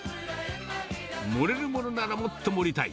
盛れるものならもっと盛りたい。